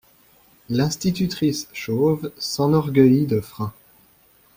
L'institutrice chauve s'enorgueillit de freins.